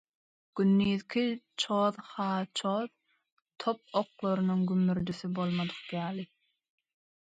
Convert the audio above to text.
Gündizki çoz-ha-çoz, top oklarynyň gümmürdisi bolmadyk ýaly.